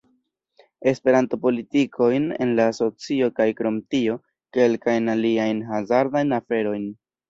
Esperanto-politikojn en la asocio kaj krom tio, kelkajn aliajn hazardajn aferojn